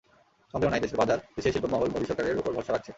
সন্দেহ নেই, দেশের বাজার, দেশের শিল্প মহল মোদি সরকারের ওপর ভরসা রাখছে।